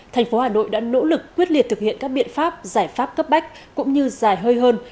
thành phố hà nội đã nỗ lực quyết liệt thực hiện các biện pháp giải pháp cấp bách cũng như dài hơi hơn